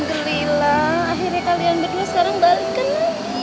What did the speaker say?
alhamdulillah akhirnya kalian berdua sekarang balikkan lagi